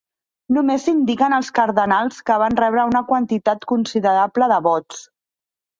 Només s'indiquen els cardenals que van rebre una quantitat considerable de vots.